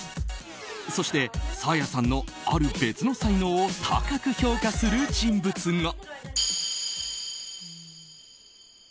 そして、サーヤさんのある別の才能を高く評価する人物が。